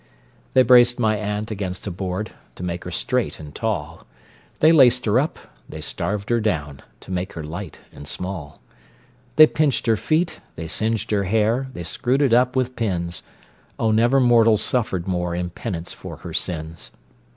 They braced my aunt against a board, To make her straight and tall; They laced her up, they starved her down, To make her light and small; They pinched her feet, they singed her hair, They screwed it up with pins O never mortal suffered more In penance for her sins.